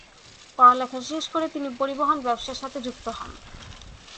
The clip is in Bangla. পড়ালেখা শেষ করে তিনি পরিবহন ব্যবসার সাথে যুক্ত হন।